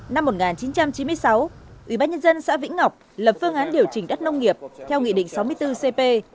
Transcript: năm một nghìn chín trăm chín mươi sáu ủy ban nhân dân xã vĩnh ngọc lập phương án điều chỉnh đất nông nghiệp theo nghị định sáu mươi bốn cp